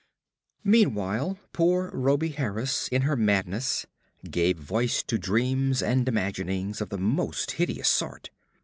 Meanwhile poor Rhoby Harris, in her madness, gave voice to dreams and imaginings of the most hideous sort.